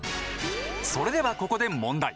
それではここで問題。